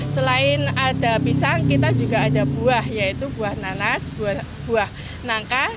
selain ada pisang kita juga ada buah yaitu buah nanas buah nangka